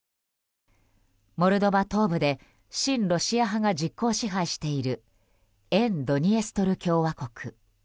モルドバ東部で親ロシア派が実効支配している沿ドニエストル共和国。